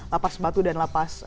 lapas batu dan lapas